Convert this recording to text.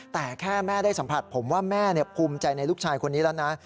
แต่แค่แม่ได้สัมผัสผมว่าแม่ภูมิใจในลูกชายคนนี้แล้วนะ